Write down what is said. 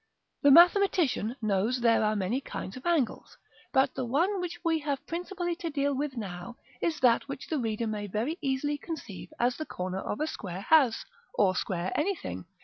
§ VII. The mathematician knows there are many kinds of angles; but the one we have principally to deal with now, is that which the reader may very easily conceive as the corner of a square house, or square anything.